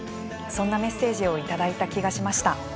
そんなメッセージをいただいた気がしました。